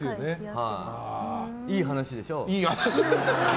いい話でしょう？